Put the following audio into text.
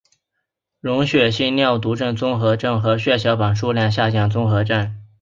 溶血性尿毒综合征和血小板数量下降综合征。